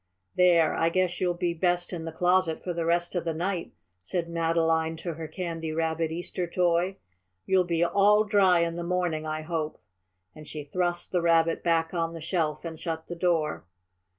"There, I guess you'll be best in the closet for the rest of the night," said Madeline to her Candy Rabbit Easter toy. "You'll be all dry in the morning, I hope," and she thrust the Rabbit back on the shelf and shut the door.